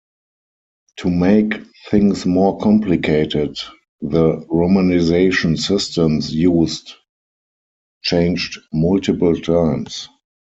To make things more complicated, the romanization systems used changed multiple times.